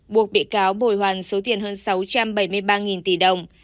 buộc bị cáo bồi hoàn số tiền hơn sáu trăm bảy mươi ba tỷ đồng